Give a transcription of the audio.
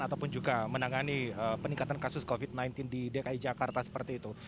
ataupun juga menangani peningkatan kasus covid sembilan belas di dki jakarta seperti itu